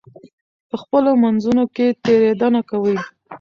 په خپلو منځونو کې تېرېدنه کوئ.